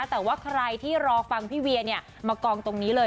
แต่ว่าใครที่รอฟังพี่เวียเนี่ยมากองตรงนี้เลย